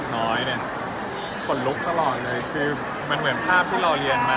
น้อยเนี่ยขนลุกตลอดเลยคือมันเหมือนภาพที่เราเรียนมา